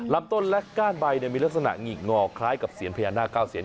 ลำต้นและก้านใบมีลักษณะหงิกงอคล้ายกับเสียญพญานาคเก้าเซียน